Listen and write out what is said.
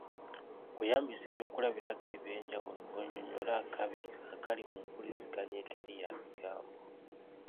Weeyambise ebyokulabirako eby'enjawulo onnyonnyole akabi akali mu mpuliziganya etali ya bigambo .